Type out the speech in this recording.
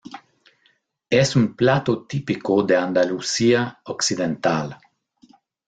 Es un plato típico de Andalucía Occidental.